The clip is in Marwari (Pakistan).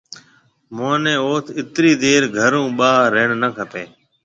مهوني اوٿ اِترِي دير گهر هون ٻاهر رهڻ نِي کپيَ۔